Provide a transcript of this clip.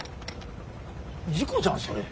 事故じゃんそれ。